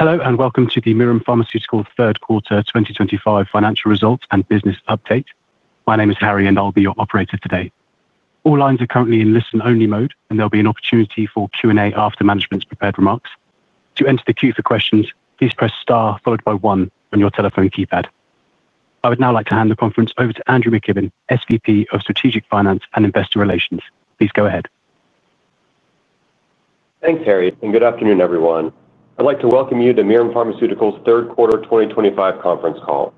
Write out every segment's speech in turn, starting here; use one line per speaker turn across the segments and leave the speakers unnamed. Hello and welcome the Mirum Pharmaceuticals Third Quarter 2025 Financial Results and Business Update. My name is Harry and I'll be your operator today. All lines are currently in listen-only mode and there'll be an opportunity for Q&A after management's prepared remarks. To enter the queue for questions, please press star followed by one on your telephone keypad. I would now like to hand the conference over to Andrew McKibben, SVP of Strategic Finance and Investor Relations. Please go ahead.
Thanks, Harry, and good afternoon, everyone. I'd like to welcome you to Mirum Pharmaceuticals Third Quarter 2025 Conference Call.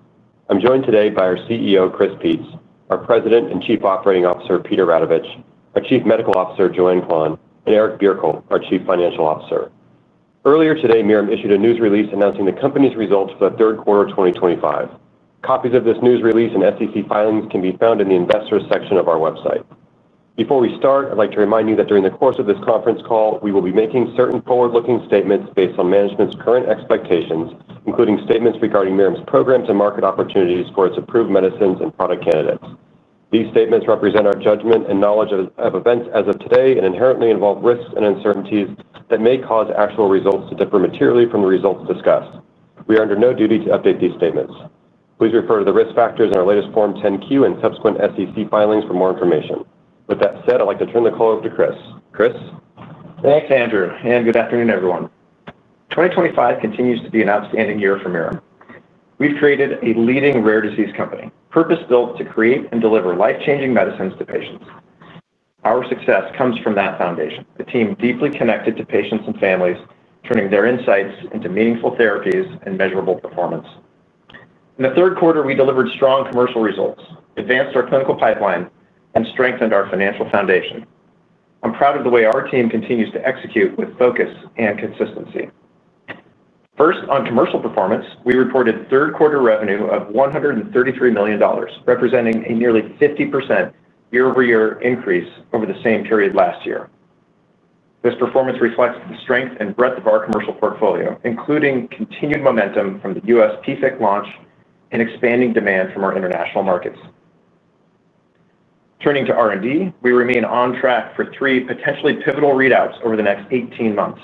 I'm joined today by our CEO, Chris Peetz, our President and Chief Operating Officer, Peter Radovich, our Chief Medical Officer, Joanne Quan, and Eric Bjerkholt, our Chief Financial Officer. Earlier today, Mirum issued a news release announcing the company's results for the third quarter 2025. Copies of this news release and SEC filings can be found in the investors' section of our website. Before we start, I'd like to remind you that during the course of this conference call, we will be making certain forward-looking statements based on management's current expectations, including statements regarding Mirum's programs and market opportunities for its approved medicines and product candidates. These statements represent our judgment and knowledge of events as of today and inherently involve risks and uncertainties that may cause actual results to differ materially from the results discussed. We are under no duty to update these statements. Please refer to the risk factors in our latest Form 10-Q and subsequent SEC filings for more information. With that said, I'd like to turn the call over to Chris. Chris.
Thanks, Andrew, and good afternoon, everyone. 2025 continues to be an outstanding year for Mirum. We've created a leading rare disease company, purpose-built to create and deliver life-changing medicines to patients. Our success comes from that foundation, a team deeply connected to patients and families, turning their insights into meaningful therapies and measurable performance. In the third quarter, we delivered strong commercial results, advanced our clinical pipeline, and strengthened our financial foundation. I'm proud of the way our team continues to execute with focus and consistency. First, on commercial performance, we reported third quarter revenue of $133 million, representing a nearly 50% year-over-year increase over the same period last year. This performance reflects the strength and breadth of our commercial portfolio, including continued momentum from the US PFIC launch and expanding demand from our international markets. Turning to R&D, we remain on track for three potentially pivotal readouts over the next 18 months.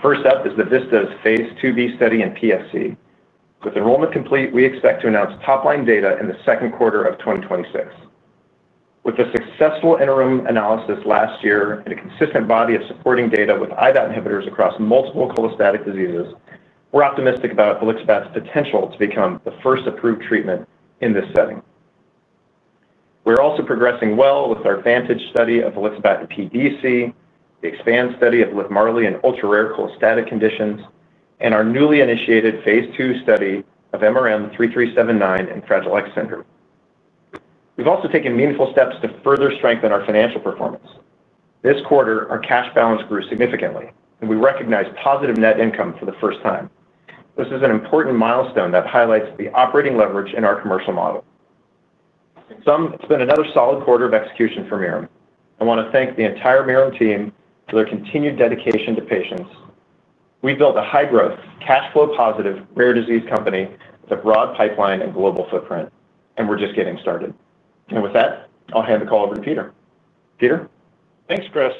First up is the VISTAS phase 2b study in PFIC. With enrollment complete, we expect to announce top-line data in the second quarter of 2026. With a successful interim analysis last year and a consistent body of supporting data with IBAT inhibitors across multiple cholestatic diseases, we're optimistic about Volixibat's potential to become the first approved treatment in this setting. We're also progressing well with our VANTAGE study of Volixibat in PBC, the EXPAND study of LIVMARLI in ultra-rare cholestatic conditions, and our newly initiated phase 2 study of MRM-3379 in Fragile X syndrome. We've also taken meaningful steps to further strengthen our financial performance. This quarter, our cash balance grew significantly, and we recognize positive net income for the first time. This is an important milestone that highlights the operating leverage in our commercial model. It's been another solid quarter of execution for Mirum. I want to thank the entire Mirum team for their continued dedication to patients. We've built a high-growth, cash flow positive, rare disease company with a broad pipeline and global footprint, and we're just getting started. And with that, I'll hand the call over to Peter. Peter.
Thanks, Chris.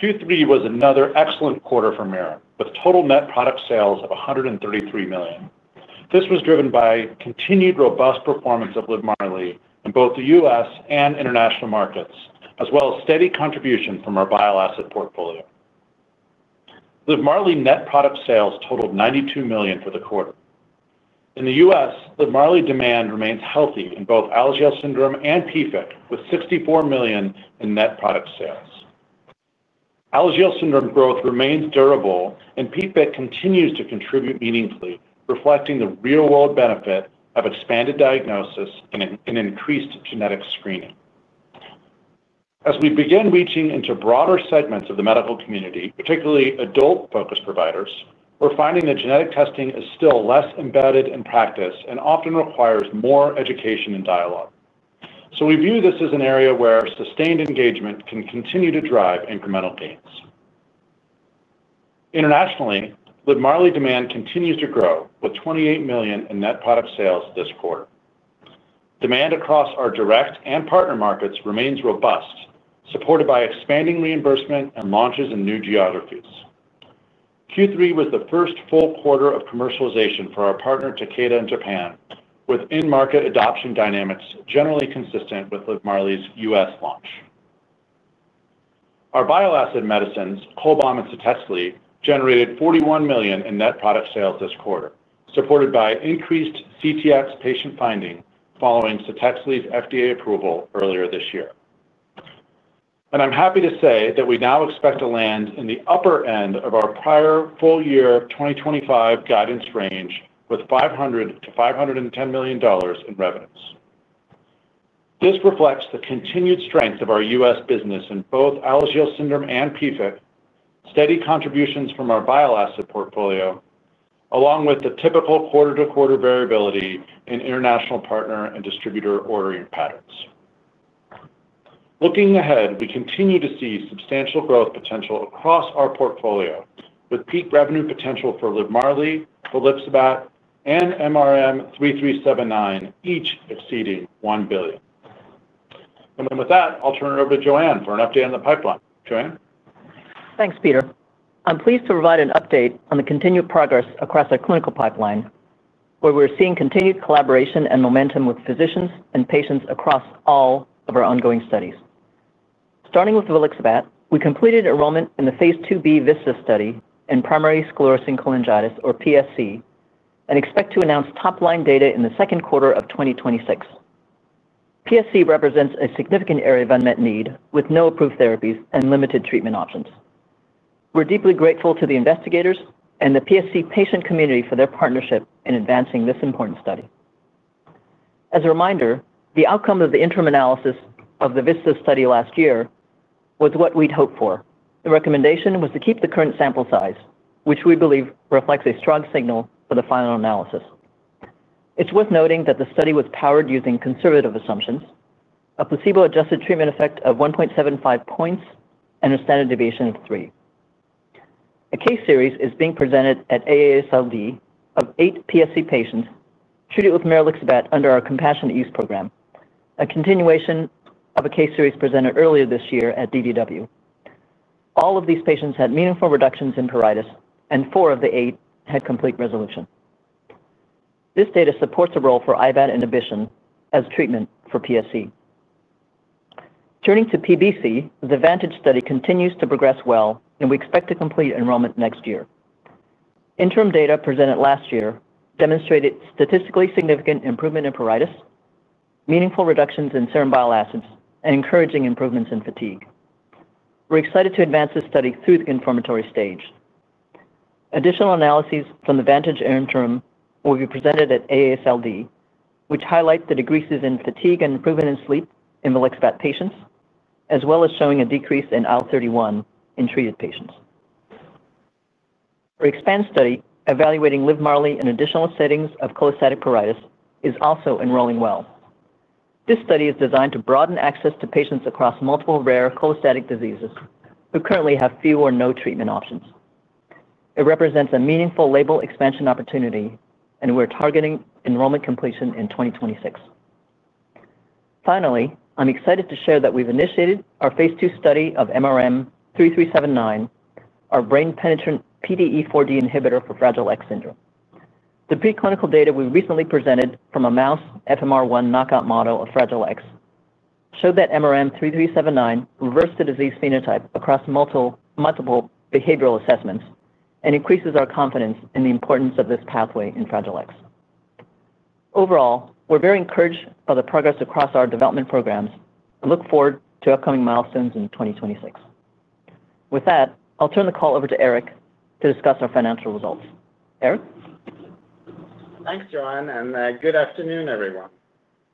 Q3 was another excellent quarter for Mirum, with total net product sales of $133 million. This was driven by continued robust performance of LIVMARLI in both the U.S. and international markets, as well as steady contribution from our bioacquired portfolio. LIVMARLI net product sales totaled $92 million for the quarter. In the U.S., LIVMARLI demand remains healthy in both Alagille syndrome and PFIC, with $64 million in net product sales. Alagille syndrome growth remains durable, and PFIC continues to contribute meaningfully, reflecting the real-world benefit of expanded diagnosis and increased genetic screening. As we begin reaching into broader segments of the medical community, particularly adult-focused providers, we're finding that genetic testing is still less embedded in practice and often requires more education and dialogue. So we view this as an area where sustained engagement can continue to drive incremental gains. Internationally, LIVMARLI demand continues to grow, with $28 million in net product sales this quarter. Demand across our direct and partner markets remains robust, supported by expanding reimbursement and launches in new geographies. Q3 was the first full quarter of commercialization for our partner Takeda in Japan, with in-market adoption dynamics generally consistent with LIVMARLI's U.S. launch. Our bioacquired medicines, CHOLBAM and CHENODAL, generated $41 million in net product sales this quarter, supported by increased CHENODAL patient finding following CHENODAL's FDA approval earlier this year. And I'm happy to say that we now expect to land in the upper end of our prior full year 2025 guidance range, with $500-$510 million in revenues. This reflects the continued strength of our U.S. business in both Alagille syndrome and PFIC, steady contributions from our bioacquired portfolio, along with the typical quarter-to-quarter variability in international partner and distributor ordering patterns. Looking ahead, we continue to see substantial growth potential across our portfolio, with peak revenue potential for LIVMARLI, Volixibat, and MRM-3379 each exceeding $1 billion. And with that, I'll turn it over to Joanne for an update on the pipeline. Joanne.
Thanks, Peter. I'm pleased to provide an update on the continued progress across our clinical pipeline, where we're seeing continued collaboration and momentum with physicians and patients across all of our ongoing studies. Starting with Volixibat, we completed enrollment in the phase 2b VISTAS study in primary sclerosing cholangitis, or PSC, and expect to announce top-line data in the second quarter of 2026. PSC represents a significant area of unmet need, with no approved therapies and limited treatment options. We're deeply grateful to the investigators and the PSC patient community for their partnership in advancing this important study. As a reminder, the outcome of the interim analysis of the VISTAS study last year was what we'd hoped for. The recommendation was to keep the current sample size, which we believe reflects a strong signal for the final analysis. It's worth noting that the study was powered using conservative assumptions, a placebo-adjusted treatment effect of 1.75 points, and a standard deviation of three. A case series is being presented at AASLD of eight PSC patients treated with Volixibat under our compassionate use program, a continuation of a case series presented earlier this year at DDW. All of these patients had meaningful reductions in pruritus, and four of the eight had complete resolution. This data supports the role for IBAT inhibition as treatment for PSC. Turning to PBC, the VANTAGE study continues to progress well, and we expect to complete enrollment next year. Interim data presented last year demonstrated statistically significant improvement in pruritus, meaningful reductions in serum bile acids, and encouraging improvements in fatigue. We're excited to advance this study through the confirmatory stage. Additional analyses from the VANTAGE interim will be presented at AASLD, which highlights the decreases in fatigue and improvement in sleep in Volixibat patients, as well as showing a decrease in IL-31 in treated patients. Our EXPAND study, evaluating LIVMARLI in additional settings of cholestatic pruritus, is also enrolling well. This study is designed to broaden access to patients across multiple rare cholestatic diseases who currently have few or no treatment options. It represents a meaningful label expansion opportunity, and we're targeting enrollment completion in 2026. Finally, I'm excited to share that we've initiated our phase 2 study of MRM-3379, our brain-penetrant PDE4D inhibitor for Fragile X syndrome. The preclinical data we recently presented from a mouse FMR1 knockout model of Fragile X showed that MRM-3379 reversed the disease phenotype across multiple behavioral assessments and increases our confidence in the importance of this pathway in Fragile X. Overall, we're very encouraged by the progress across our development programs and look forward to upcoming milestones in 2026. With that, I'll turn the call over to Eric to discuss our financial results. Eric.
Thanks, Joanne, and good afternoon, everyone.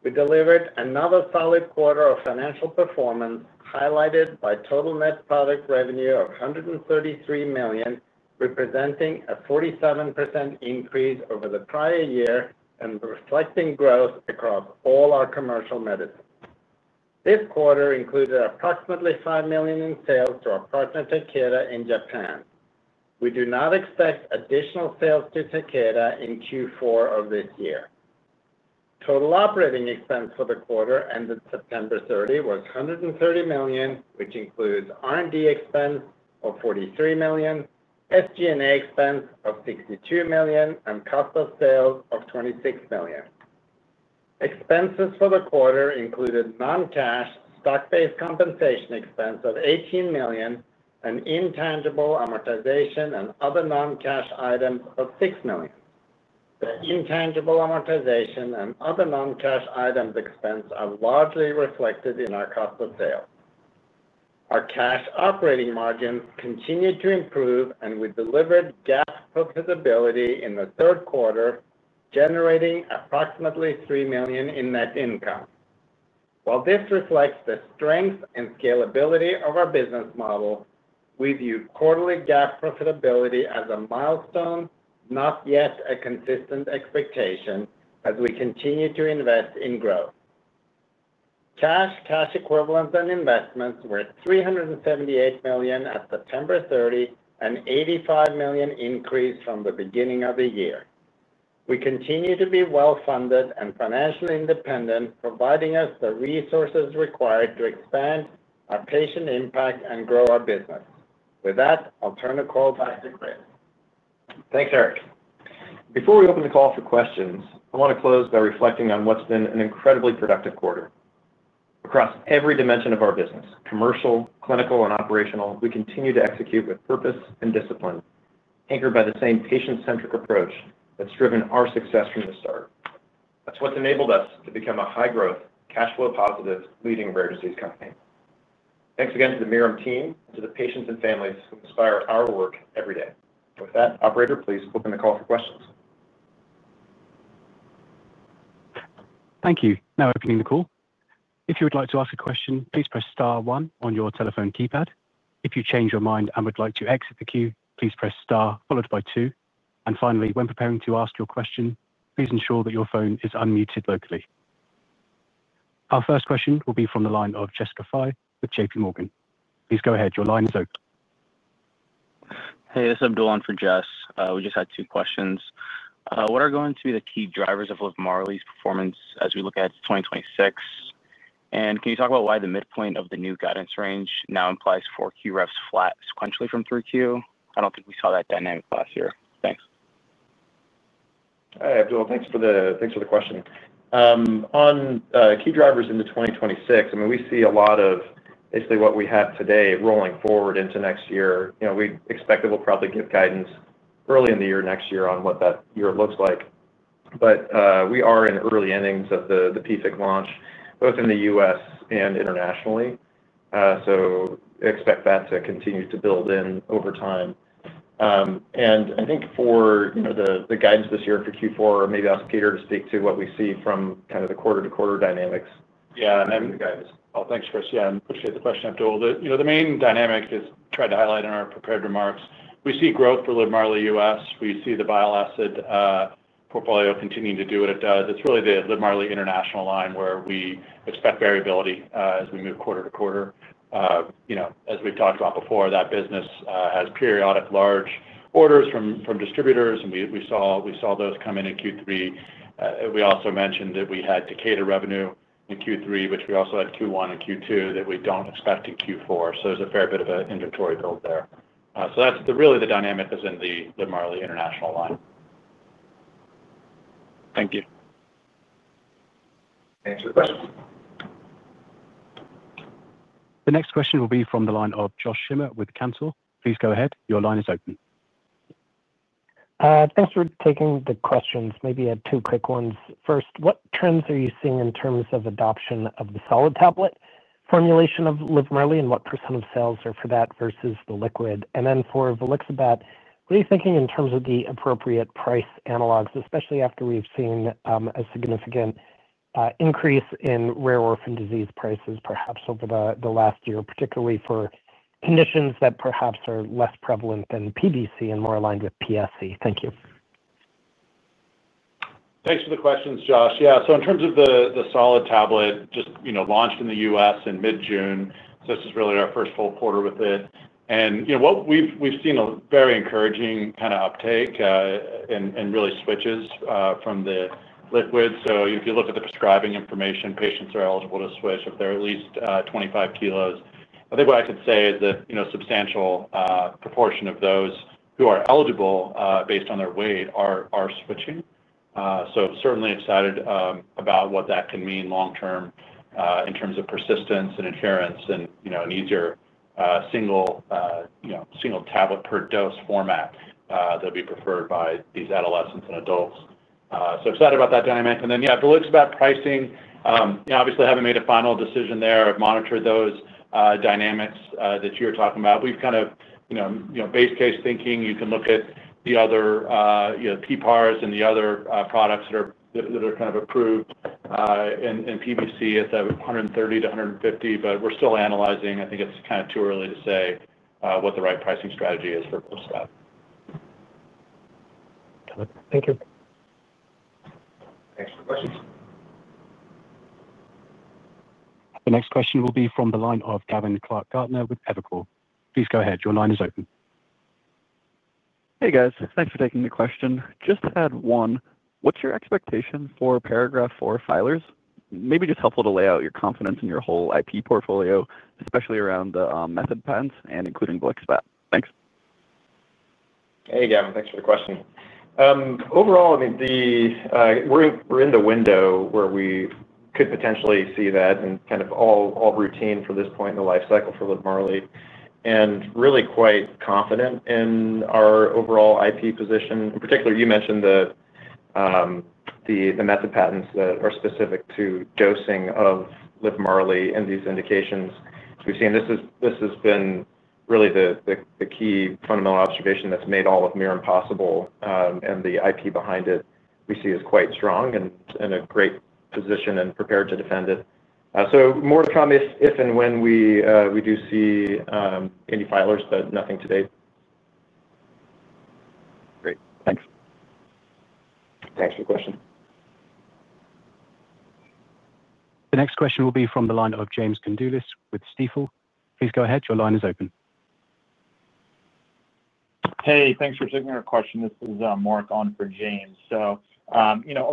We delivered another solid quarter of financial performance, highlighted by total net product revenue of $133 million, representing a 47% increase over the prior year and reflecting growth across all our commercial medicines. This quarter included approximately $5 million in sales to our partner Takeda in Japan. We do not expect additional sales to Takeda in Q4 of this year. Total operating expense for the quarter ended September 30, was $130 million, which includes R&D expense of $43 million, SG&A expense of $62 million, and cost of sales of $26 million. Expenses for the quarter included non-cash stock-based compensation expense of $18 million, and intangible amortization and other non-cash items of $6 million. The intangible amortization and other non-cash items expense are largely reflected in our cost of sales. Our cash operating margins continued to improve, and we delivered GAAP profitability in the third quarter, generating approximately $3 million in net income. While this reflects the strength and scalability of our business model, we view quarterly GAAP profitability as a milestone, not yet a consistent expectation, as we continue to invest in growth. Cash, cash equivalents, and investments were $378 million at September 30, an $85 million increase from the beginning of the year. We continue to be well-funded and financially independent, providing us the resources required to expand our patient impact and grow our business. With that, I'll turn the call back to Chris.
Thanks, Eric. Before we open the call for questions, I want to close by reflecting on what's been an incredibly productive quarter. Across every dimension of our business, commercial, clinical, and operational, we continue to execute with purpose and discipline, anchored by the same patient-centric approach that's driven our success from the start. That's what's enabled us to become a high-growth, cash flow positive, leading rare disease company. Thanks again to the Mirum team and to the patients and families who inspire our work every day. With that, operator, please open the call for questions.
Thank you. Now opening the call. If you would like to ask a question, please press star one on your telephone keypad. If you change your mind and would like to exit the queue, please press star followed by two. And finally, when preparing to ask your question, please ensure that your phone is unmuted locally. Our first question will be from the line of Jessica Fye with J.P. Morgan. Please go ahead. Your line is open. Hey, this is Abdullah for Jess. We just had two questions. What are going to be the key drivers of LIVMARLI's performance as we look at 2026? And can you talk about why the midpoint of the new guidance range now implies 4Q revs flat sequentially from 3Q? I don't think we saw that dynamic last year. Thanks.
Hey, Abdullah. Thanks for the question. On key drivers in the 2026, I mean, we see a lot of basically what we have today rolling forward into next year. We expect that we'll probably give guidance early in the year next year on what that year looks like. But we are in early innings of the PFIC launch, both in the U.S and internationally. So expect that to continue to build in over time. And I think for the guidance this year for Q4, maybe ask Peter to speak to what we see from kind of the quarter-to-quarter dynamics. Yeah, and. Oh,
Thanks, Chris. Yeah, I appreciate the question, Abdullah. The main dynamic is tried to highlight in our prepared remarks. We see growth for LIVMARLI U.S. We see the bioacquired portfolio continuing to do what it does. It's really the LIVMARLI international line where we expect variability as we move quarter to quarter. As we've talked about before, that business has periodic large orders from distributors, and we saw those come in in Q3. We also mentioned that we had Takeda revenue in Q3, which we also had Q1 and Q2 that we don't expect in Q4. So there's a fair bit of an inventory build there. So that's really the dynamic that's in the LIVMARLI international line. Thank you. Thanks for the question.
The next question will be from the line of Josh Schimmer with Cantor. Please go ahead. Your line is open.
Thanks for taking the questions. Maybe I have two quick ones. First, what trends are you seeing in terms of adoption of the solid tablet formulation of LIVMARLI and what % of sales are for that versus the liquid? And then for Volixibat, what are you thinking in terms of the appropriate price analogs, especially after we've seen a significant increase in rare orphan disease prices perhaps over the last year, particularly for conditions that perhaps are less prevalent than PBC and more aligned with PSC? Thank you.
Thanks for the questions, Josh. Yeah, so in terms of the solid tablet, just launched in the U.S. in mid-June, so this is really our first full quarter with it. And we've seen a very encouraging kind of uptake. And really switches from the liquid. So if you look at the prescribing information, patients are eligible to switch if they're at least 25 kilos. I think what I could say is that a substantial proportion of those who are eligible based on their weight are switching. So certainly excited about what that can mean long-term in terms of persistence and adherence and an easier single tablet per dose format that would be preferred by these adolescents and adults. So excited about that dynamic. And then, yeah, Volixibat pricing, obviously haven't made a final decision there. I've monitored those dynamics that you were talking about. We've kind of base case thinking. You can look at the other PPARs and the other products that are kind of approved in PBC at the 130-150, but we're still analyzing. I think it's kind of too early to say what the right pricing strategy is for Volixibat.
Thank you.
Thanks for the questions.
The next question will be from the line of Gavin Clark-Gardner with Evercore. Please go ahead. Your line is open.
Hey, guys. Thanks for taking the question. Just had one. What's your expectation for Paragraph IV filers? Maybe just helpful to lay out your confidence in your whole IP portfolio, especially around the method patents and including Volixibat. Thanks.
Hey, Gavin. Thanks for the question. Overall, I mean. We're in the window where we could potentially see that and kind of all routine for this point in the life cycle for LIVMARLI, and really quite confident in our overall IP position. In particular, you mentioned the method patents that are specific to dosing of LIVMARLI and these indications. We've seen this has been really the key fundamental observation that's made all of Mirum possible, and the IP behind it we see is quite strong and in a great position and prepared to defend it. So more to come if and when we do see any filers, but nothing to date.
Great. Thanks.
Thanks for the question.
The next question will be from the line of James Condulis with Stifel. Please go ahead. Your line is open. Hey, thanks for taking our question. This is Mark on for James. So.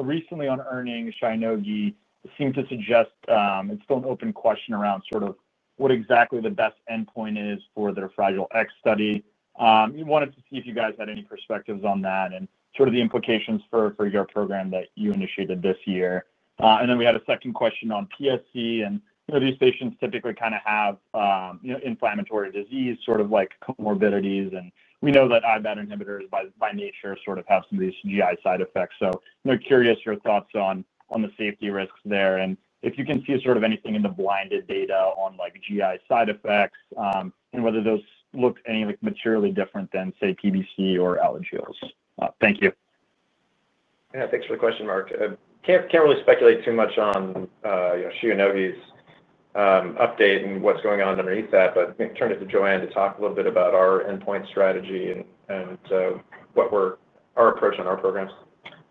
Recently on earnings, Shionogi seemed to suggest it's still an open question around sort of what exactly the best endpoint is for their Fragile X study. We wanted to see if you guys had any perspectives on that and sort of the implications for your program that you initiated this year. And then we had a second question on PSC, and these patients typically kind of have inflammatory disease, sort of like comorbidities. And we know that IBAT inhibitors by nature sort of have some of these GI side effects. So curious your thoughts on the safety risks there. And if you can see sort of anything in the blinded data on GI side effects and whether those look any materially different than, say, PBC or Alagille. Thank you.
Yeah, thanks for the question, Mark. Can't really speculate too much on Shionogi's update and what's going on underneath that, but turn it to Joanne to talk a little bit about our endpoint strategy and what our approach on our programs.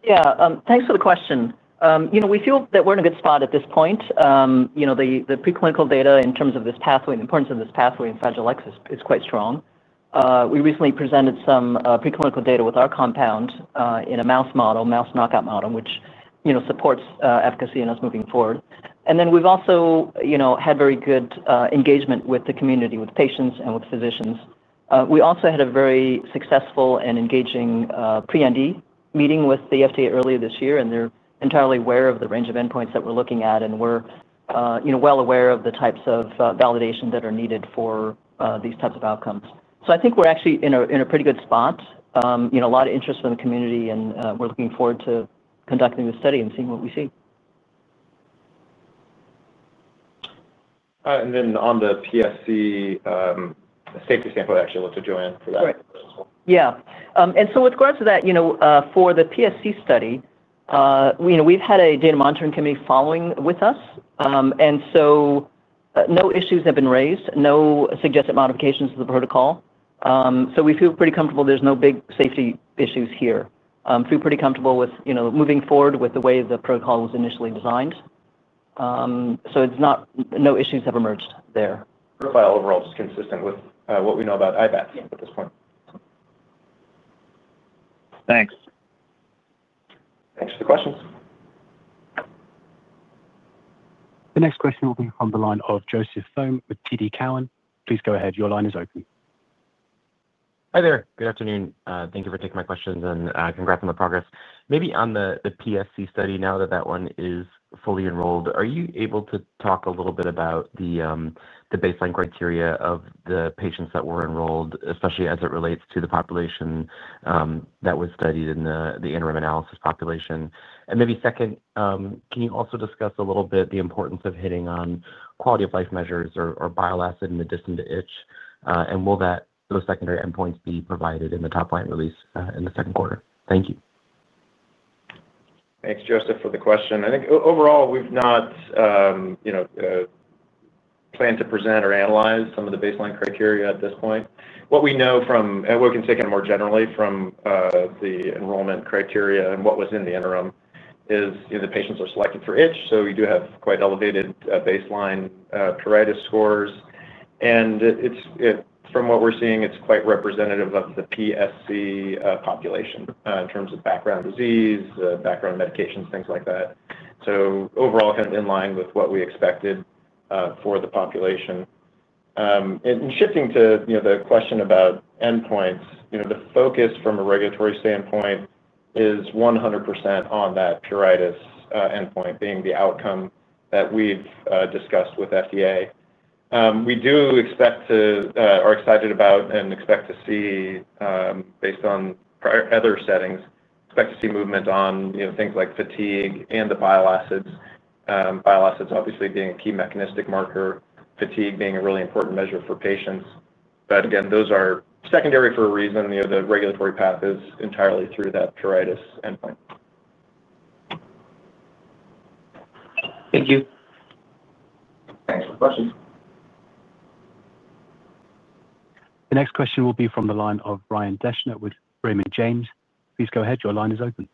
Yeah, thanks for the question. We feel that we're in a good spot at this point. The preclinical data in terms of this pathway, the importance of this pathway in Fragile X is quite strong. We recently presented some preclinical data with our compound in a mouse model, mouse knockout model, which supports efficacy in our moving forward. And then we've also had very good engagement with the community, with patients and with physicians. We also had a very successful and engaging pre-IND meeting with the FDA earlier this year, and they're entirely aware of the range of endpoints that we're looking at, and we're well aware of the types of validation that are needed for these types of outcomes. So I think we're actually in a pretty good spot. A lot of interest from the community, and we're looking forward to conducting the study and seeing what we see.
On the PSC safety standpoint, I actually looked to Joanne for that.
Yeah, and so with regards to that, for the PSC study, we've had a data monitoring committee following with us. And so, no issues have been raised, no suggested modifications to the protocol. So we feel pretty comfortable there's no big safety issues here. Feel pretty comfortable with moving forward with the way the protocol was initially designed. So no issues have emerged there.
Profile overall is consistent with what we know about IBAT at this point. Thanks. Thanks for the questions.
The next question will be from the line of Joseph Thome with TD Cowen. Please go ahead. Your line is open.
Hi there. Good afternoon. Thank you for taking my questions and congrats on the progress. Maybe on the PSC study, now that that one is fully enrolled, are you able to talk a little bit about the baseline criteria of the patients that were enrolled, especially as it relates to the population that was studied in the interim analysis population? And maybe second, can you also discuss a little bit the importance of hitting on quality of life measures or bile acid in the distant itch? And will those secondary endpoints be provided in the top line release in the second quarter? Thank you.
Thanks, Joseph, for the question. I think overall, we've not planned to present or analyze some of the baseline criteria at this point. What we know from and what we can say kind of more generally from the enrollment criteria and what was in the interim is the patients are selected for itch. So we do have quite elevated baseline pruritus scores. And from what we're seeing, it's quite representative of the PSC population in terms of background disease, background medications, things like that. So overall, kind of in line with what we expected for the population. And shifting to the question about endpoints, the focus from a regulatory standpoint is 100% on that pruritus endpoint being the outcome that we've discussed with FDA. We do expect to, are excited about, and expect to see based on other settings, expect to see movement on things like fatigue and the bile acids. Bile acids, obviously, being a key mechanistic marker, fatigue being a really important measure for patients. But again, those are secondary for a reason. The regulatory path is entirely through that pruritus endpoint.
Thank you.
Thanks for the questions.
The next question will be from the line of Brian Deshnut with Raymond James. Please go ahead. Your line is open.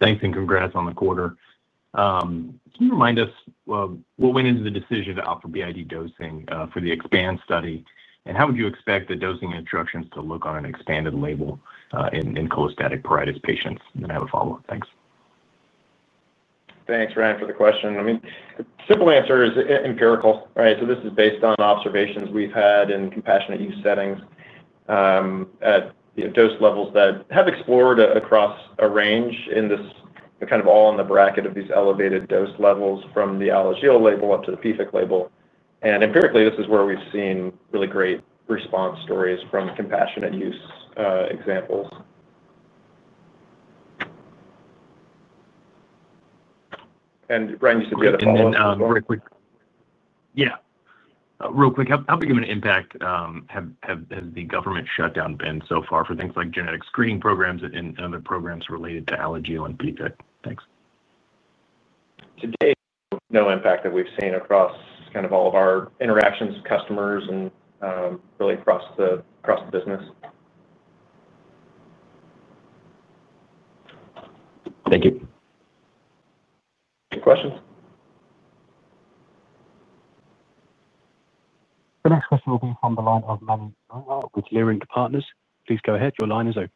Thanks and congrats on the quarter. Can you remind us what went into the decision to offer BID dosing for the EXPAND study? And how would you expect the dosing instructions to look on an expanded label in cholestatic pruritus patients? And then I have a follow-up. Thanks.
Thanks, Ryan, for the question. I mean, the simple answer is empirical, right? So this is based on observations we've had in compassionate use settings. At dose levels that have explored across a range in this kind of all in the bracket of these elevated dose levels from the Alagille label up to the PFIC label. And empirically, this is where we've seen really great response stories from compassionate use examples. And Brian, you said you had a follow-up.
Yeah. Real quick. How big of an impact has the government shutdown been so far for things like genetic screening programs and other programs related to Alagille and PFIC? Thanks.
Today, no impact that we've seen across kind of all of our interactions, customers, and really across the business.
Thank you.
Good questions.
The next question will be from the line of Manny Murray with Leerink Partners. Please go ahead. Your line is open.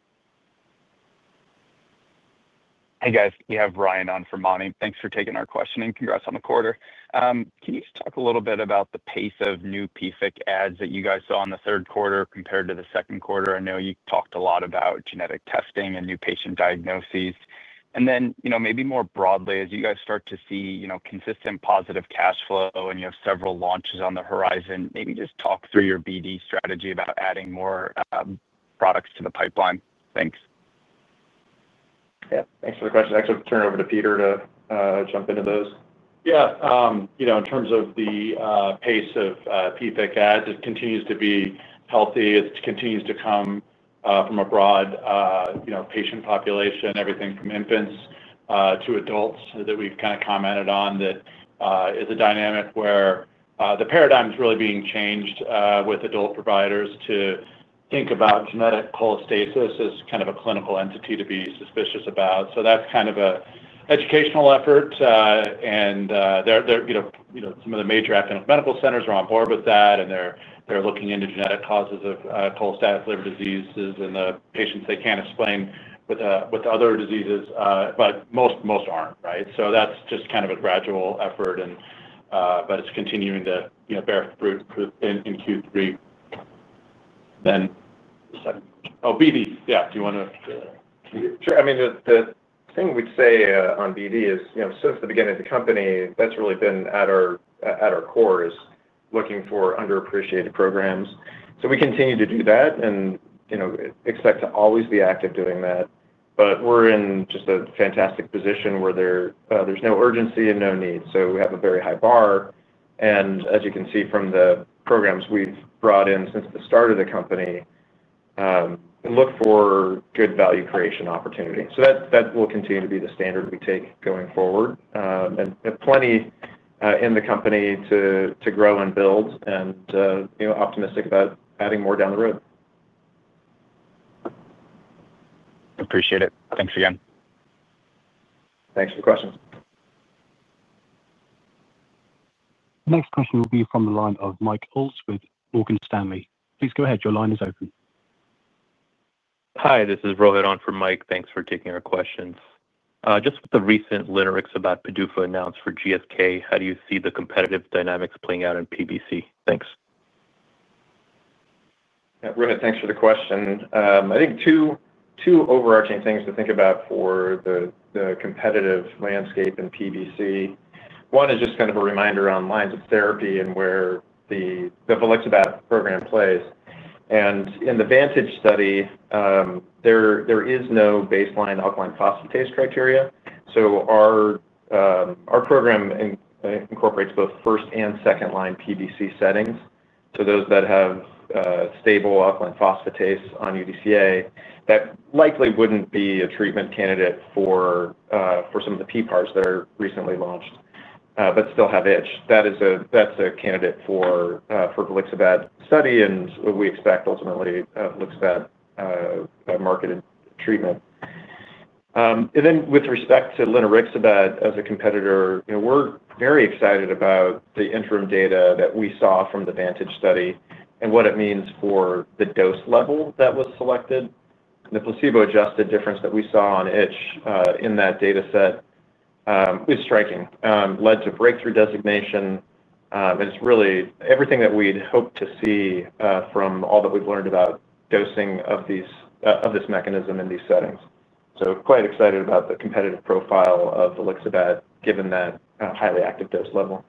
Hey, guys. We have Ryan on from Cantor. Thanks for taking our questions. Congrats on the quarter. Can you just talk a little bit about the pace of new PFIC adds that you guys saw in the third quarter compared to the second quarter? I know you talked a lot about genetic testing and new patient diagnoses. And then maybe more broadly, as you guys start to see consistent positive cash flow and you have several launches on the horizon, maybe just talk through your BD strategy about adding more products to the pipeline. Thanks.
Yeah. Thanks for the question. Actually, I'll turn it over to Peter to jump into those.
Yeah. In terms of the pace of PFIC adds, it continues to be healthy. It continues to come from a broad patient population, everything from infants to adults that we've kind of commented on that is a dynamic where the paradigm is really being changed with adult providers to think about genetic cholestasis as kind of a clinical entity to be suspicious about. So that's kind of an educational effort. Some of the major academic medical centers are on board with that, and they're looking into genetic causes of cholestatic liver diseases and the patients they can't explain with other diseases, but most aren't, right? So that's just kind of a gradual effort, but it's continuing to bear fruit in Q3. Then obesity. Yeah. Do you want to? Sure.
I mean, the thing we'd say on BD is since the beginning of the company, that's really been at our core is looking for underappreciated programs. So we continue to do that and expect to always be active doing that. But we're in just a fantastic position where there's no urgency and no need. So we have a very high bar. And as you can see from the programs we've brought in since the start of the company, look for good value creation opportunity. So that will continue to be the standard we take going forward. And plenty in the company to grow and build and optimistic about adding more down the road.
Appreciate it. Thanks again.
Thanks for the questions.
The next question will be from the line of Mike Olds with Morgan Stanley. Please go ahead. Your line is open. Hi, this is Rohit on for Mike. Thanks for taking our questions. Just with the recent Linerixibat PDUFA announced for GSK, how do you see the competitive dynamics playing out in PBC? Thanks.
Yeah. Rohit, thanks for the question. I think two overarching things to think about for the competitive landscape in PBC. One is just kind of a reminder on lines of therapy and where the Volixibat program plays. And in the VANTAGE study. There is no baseline alkaline phosphatase criteria. So our program incorporates both first and second-line PBC settings. So those that have stable alkaline phosphatase on UDCA that likely wouldn't be a treatment candidate for some of the PPARs that are recently launched but still have itch. That's a candidate for Volixibat study and what we expect ultimately of Volixibat marketed treatment. And then with respect to Linerixibat as a competitor, we're very excited about the interim data that we saw from the VANTAGE study and what it means for the dose level that was selected. The placebo-adjusted difference that we saw on itch in that dataset is striking, led to breakthrough designation. And it's really everything that we'd hoped to see from all that we've learned about dosing of this mechanism in these settings. So quite excited about the competitive profile of Volixibat given that highly active dose level.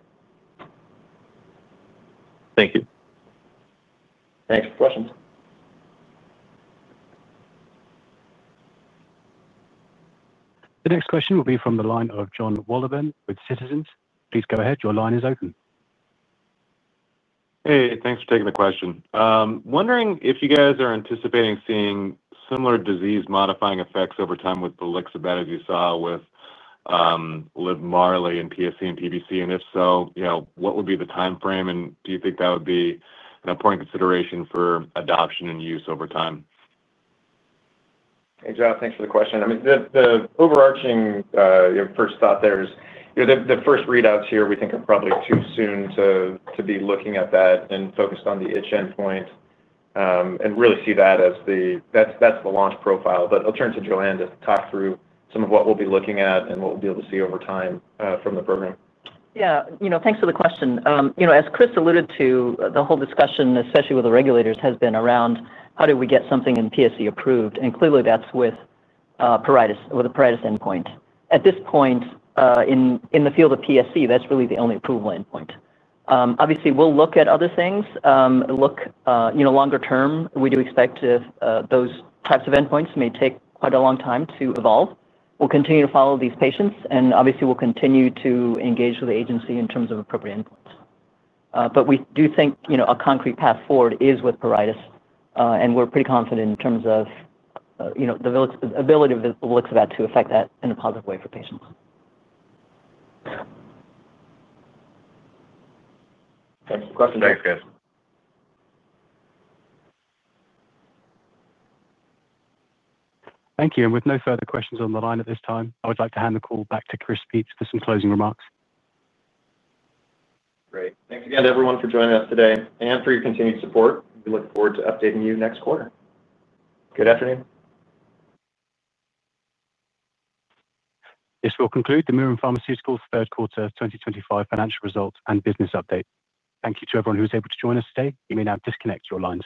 Thank you. Thanks for the questions.
The next question will be from the line of John Wallerman with Citizens. Please go ahead. Your line is open.
Hey, thanks for taking the question. Wondering if you guys are anticipating seeing similar disease-modifying effects over time with Volixibat as you saw with LIVMARLI in PSC and PBC. And if so, what would be the timeframe? And do you think that would be an important consideration for adoption and use over time?
Hey, John, thanks for the question. I mean, the overarching first thought there is the first readouts here, we think, are probably too soon to be looking at that and focused on the itch endpoint, and really see that as the launch profile, but I'll turn to Joanne to talk through some of what we'll be looking at and what we'll be able to see over time from the program.
Yeah. Thanks for the question. As Chris alluded to, the whole discussion, especially with the regulators, has been around how do we get something in PSC approved? And clearly, that's with pruritus endpoint. At this point. In the field of PSC, that's really the only approval endpoint. Obviously, we'll look at other things. Look longer term. We do expect those types of endpoints may take quite a long time to evolve. We'll continue to follow these patients, and obviously, we'll continue to engage with the agency in terms of appropriate endpoints. But we do think a concrete path forward is with pruritus, and we're pretty confident in terms of the ability of Volixibat to affect that in a positive way for patients.
Thanks for the questions.
Thanks, guys.
Thank you. And with no further questions on the line at this time, I would like to hand the call back to Chris Peetz for some closing remarks.
Great. Thanks again, everyone, for joining us today and for your continued support. We look forward to updating you next quarter. Good afternoon.
This will conclude the Mirum Pharmaceuticals third quarter 2025 financial results and business update. Thank you to everyone who was able to join us today. You may now disconnect your lines.